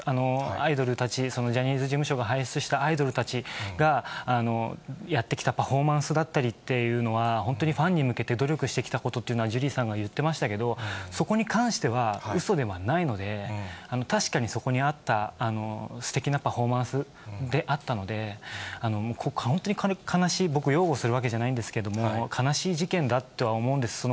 アイドルたち、ジャニーズ事務所が輩出したアイドルたちがやってきたパフォーマンスだったりっていうのは、本当にファンに向けて、努力してきたことというのは、ジュリーさんが言ってましたけど、そこに関しては、うそではないので、確かにそこにあったすてきなパフォーマンスであったので、本当に悲しい、僕擁護するわけじゃないんですけど、悲しい事件だとは思うんです。